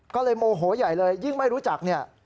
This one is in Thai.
ก็เลยโมโหใหญ่เลยยิ่งไม่รู้จักเนี่ย